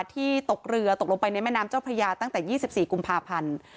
ที่ตกเรือตกลงไปในแม่น้ำเจ้าพระยาตั้งแต่๒๔กุมภาพันธ์